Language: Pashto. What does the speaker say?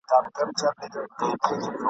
ټولي ورځي یې په ډنډ کي تېرولې !.